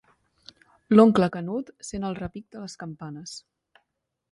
L'oncle Canut sent el repic de les campanes.